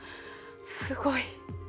すごい！